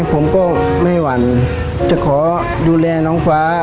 ผมก็ไม่หวั่นจะขอดูแลน้องฟ้า